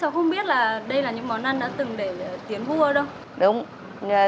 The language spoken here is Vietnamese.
cháu không biết là đây là những món ăn đã từng để tiến vua đâu